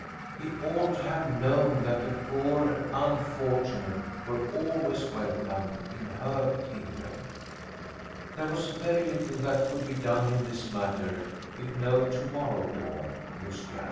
He ought to have known that the poor and unfortunate were always welcome in her kingdom. There was very little that could be done in this matter if no to morrow dawned, mused Jan.